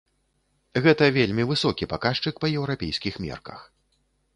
Гэта вельмі высокі паказчык па еўрапейскіх мерках.